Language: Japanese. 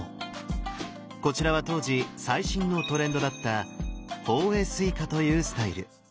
こちらは当時最新のトレンドだった「法衣垂下」というスタイル。